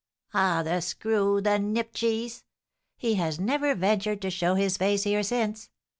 Ah, the screw! the nipcheese! He has never ventured to show his face here since.